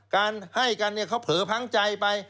การให้กันเขาเผลอพังใจไป